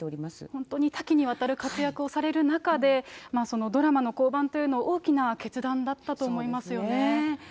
本当に多岐にわたる活躍をされる中で、ドラマの降板というのは、大きな決断だったと思いますよね。